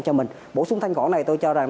cho mình bổ sung thanh gỗ này tôi cho rằng